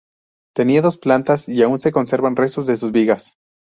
Tenía dos plantas y aún se conservan restos de sus vigas.